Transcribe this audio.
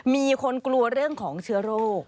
มีคนกลัวเรื่องของเชื้อโรค